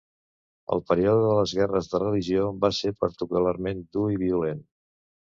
El període de les guerres de religió va ser particularment dur i violent.